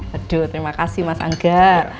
aduh terima kasih mas angga